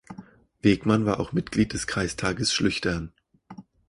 Wegmann war auch Mitglied des Kreistages Schlüchtern.